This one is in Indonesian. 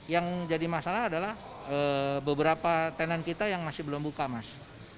yang jadi masalah adalah beberapa tenan kita yang masih belum buka mas